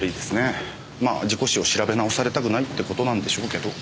まあ事故死を調べ直されたくないって事なんでしょうけど。